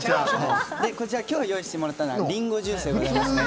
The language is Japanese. こちら今日用意してもらったのはリンゴジュースでございます。